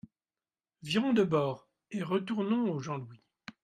Virons de bord et retournons au Jean-Louis.